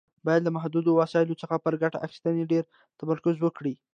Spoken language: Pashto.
باید له محدودو وسایلو څخه پر ګټې اخیستنې ډېر تمرکز وکړي.